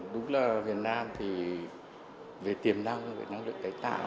đúng là việt nam thì về tiềm năng về năng lượng tái tạo